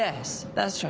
大丈夫。